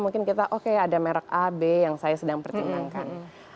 mungkin kita oke ada merek a b yang saya sedang pertimbangkan